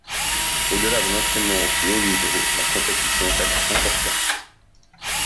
Au-delà d'un entrainement au plus haut niveau, la compétition reste importante.